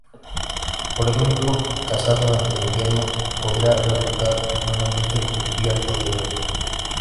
Por ejemplo, cazar durante el invierno podía resultar en un ambiente cubierto de nieve.